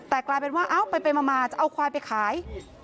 แต่กลายเป็นว่าเอาไปมาจะเอาควายไปขาย